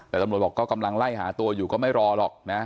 แต่ตำรวจบอกก็กำลังไล่หาตัวอยู่ก็ไม่รอหรอกนะ